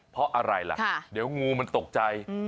เพราะอะไรล่ะเดี๋ยวงูมันตกใจ